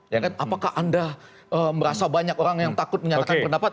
ya kan apakah anda merasa banyak orang yang takut menyatakan pendapat